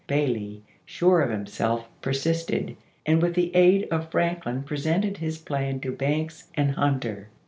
Bailey, sure of himself, persisted, and with the aid of Franklin presented his plan to Banks and Hunter.